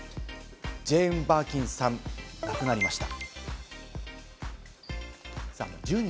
ジェーン・バーキンさん、亡くなりました。